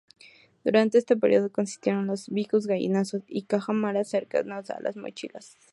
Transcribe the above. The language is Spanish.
Durante este periodo coexistieron los vicus, gallinazo y cajamarca; cercanos a los mochicas.